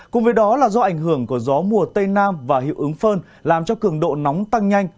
cùng với đó là do ảnh hưởng của gió mùa tây nam và hiệu ứng phơn làm cho cường độ nóng tăng nhanh